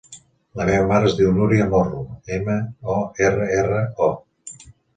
La meva mare es diu Núria Morro: ema, o, erra, erra, o.